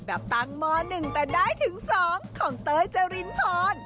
แบบตั้งม๑แต่ได้ถึง๒ของเจอรินพอร์ต